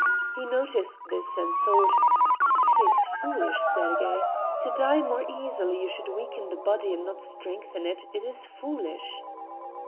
He noticed this and thought: "It is foolish, Sergey! To die more easily, you should weaken the body and not strengthen it. It is foolish!"